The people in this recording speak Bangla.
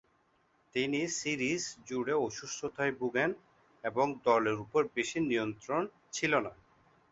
তিনি সিরিজ জুড়ে অসুস্থতায় ভোগেন এবং দলের উপর বেশি নিয়ন্ত্রণ ছিল না।